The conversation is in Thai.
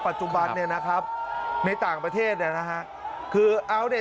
ปัจจุบันเนี่ยนะครับในต่างประเทศเนี่ยนะฮะคือเอาเนี่ย